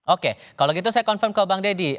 oke kalau gitu saya confirm ke bang deddy